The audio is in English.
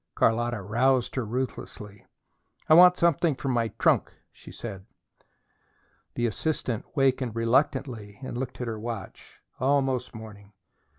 Carlotta roused her ruthlessly. "I want something from my trunk," she said. The assistant wakened reluctantly, and looked at her watch. Almost morning.